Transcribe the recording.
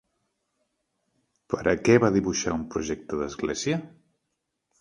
Per a què va dibuixar un projecte d'església?